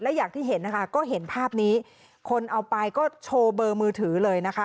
อย่างที่เห็นนะคะก็เห็นภาพนี้คนเอาไปก็โชว์เบอร์มือถือเลยนะคะ